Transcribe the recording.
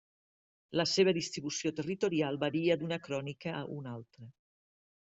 La seva distribució territorial varia d'una crònica a una altra.